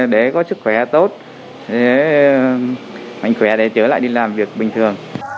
để có sức khỏe tốt mạnh khỏe để trở lại đi làm việc bình thường